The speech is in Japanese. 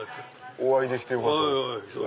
お会いできてよかったです。